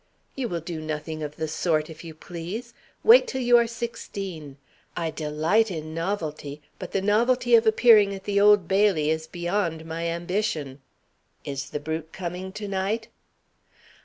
"You will do nothing of the sort, if you please. Wait till you are sixteen. I delight in novelty, but the novelty of appearing at the Old Bailey is beyond my ambition. Is the brute coming to night?"